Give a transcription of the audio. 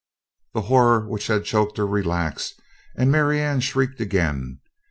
The horror which had choked her relaxed and Marianne shrieked again.